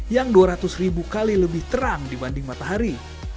yang dua ratus ribu kali lebih terang dibanding matahari